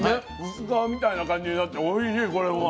薄皮みたいな感じになっておいしいこれも。